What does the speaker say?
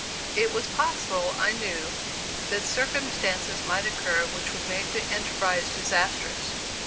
It was possible, I knew, that circumstances might occur which would make the enterprise disastrous.